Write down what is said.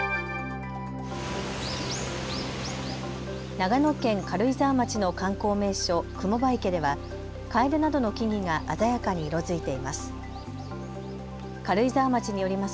長野県軽井沢町の観光名所、雲場池ではかえでなどの木々が鮮やかに色づいています。